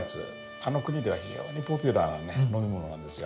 あの国では非常にポピュラーなね飲み物なんですよ。